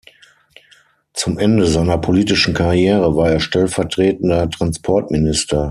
Zum Ende seiner politischen Karriere war er stellvertretender Transportminister.